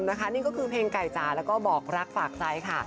นี่ก็คือเพลงไก่จ๋าแล้วก็บอกรักฝากใจค่ะ